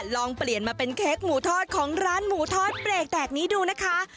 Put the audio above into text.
ลองเปลี่ยนมาเป็นเค้กหมูทอดของร้านหมูทอดเบรกแตกนี้ดูนะคะ